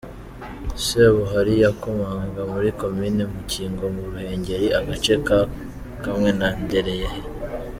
Sebuhura yakomokaga muri Komine Mukingo mu Ruhengeri, agace kamwe na Ndereyehe.